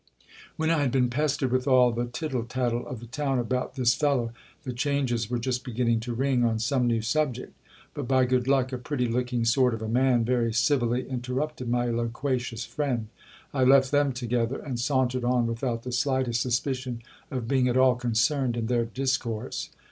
When I had been pestered with all the tittle tattle of the town about this fellow, the changes were just beginning to ring on some new subject ; but, by good luck, a pretty looking sort of a man very civilly interrupted my loquacious friend. I left them together, and sauntered on without the slightest suspicion of being at all concerned in their discourse.